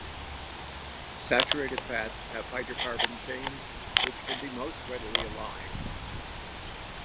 Saturated fats have hydrocarbon chains which can be most readily aligned.